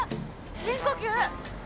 深呼吸！